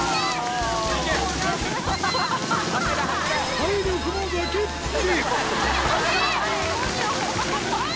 体力も崖っぷち。